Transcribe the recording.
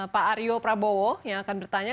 pak aryo prabowo yang akan bertanya